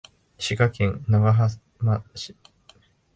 滋賀県長浜市